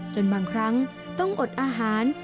จนบางครั้งต้องอดอาหาร